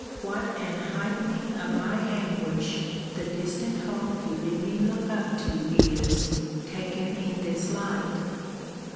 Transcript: what an heightening of my anguish the distant hope you bid me look up to is, taken in this light!